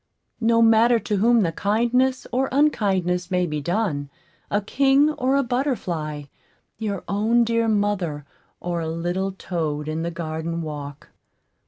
No matter to whom the kindness or unkindness may be done a king or a butterfly, your own dear mother or a little toad in the garden walk.